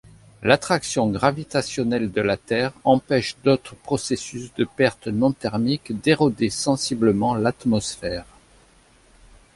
L'attraction gravitationnelle de la Terre empêche d'autres processus de pertes non-thermiques d'éroder sensiblement l'atmosphère.